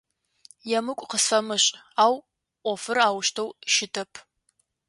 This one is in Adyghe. Емыкӏу къысфэмышӏ, ау а ӏофыр аущтэу щытэп.